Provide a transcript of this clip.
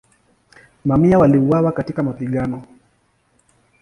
Mamia waliuawa katika mapigano.